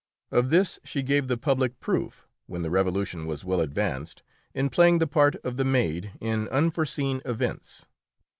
Of this she gave the public a proof, when the Revolution was well advanced, in playing the part of the maid in "Unforeseen Events."